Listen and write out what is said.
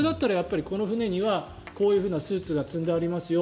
この船にはこういうスーツが積んでありますよ